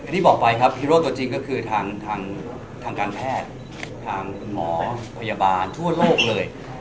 ที่บอกไปครับฮีโร่ตัวจริงก็คือทางการแพทย์ทางคุณหมอพยาบาลทั่วโลกเลย